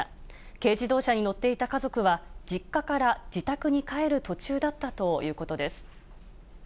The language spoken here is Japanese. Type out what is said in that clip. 軽自動車に乗っていた家族は、実家から自宅に帰る途中だったということです。